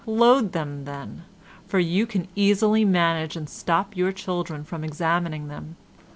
Load them then, for you can easily manage to stop your children from examining them.